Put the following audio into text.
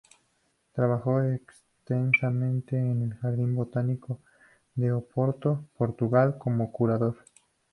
Trabajó extensamente en el Jardín botánico de Oporto, Portugal, como curador.